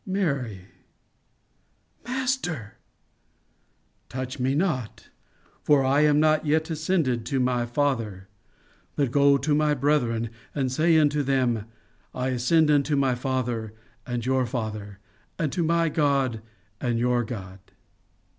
"'Mary.' "'Master!' "'Touch me not; for I am not yet ascended to my Father: but go to my brethren, and say unto them, I ascend unto my Father and your Father; and to my God and your God.